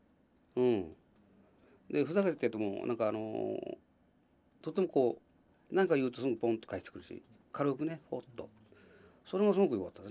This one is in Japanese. ふざけててもとってもこう何か言うとすぐポンと返してくるしね軽くねポッとそれがすごくよかったですね。